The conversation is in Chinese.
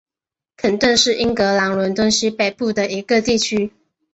肯顿是英格兰伦敦西北部的一个地区。